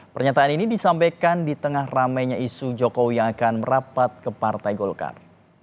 pernyataan ini disampaikan di tengah ramainya isu jokowi yang akan merapat ke partai golkar